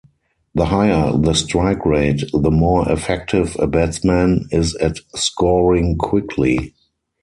The higher the strike rate, the more effective a batsman is at scoring quickly.